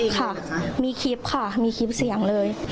ค่ะมีคลิปค่ะมีคลิปเสียงเลย